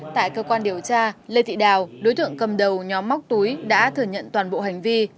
tại cơ quan điều tra lê thị đào đối tượng cầm đầu nhóm móc túi đã thừa nhận toàn bộ hành vi